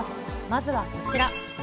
まずはこちら。